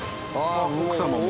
奥様も。